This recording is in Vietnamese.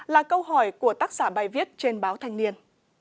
là câu hỏi của tác giả bài viết trên báo thanh niên